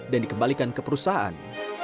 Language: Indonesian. dan dikembalikan ke perusahaan